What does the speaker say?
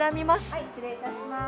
はい失礼いたします。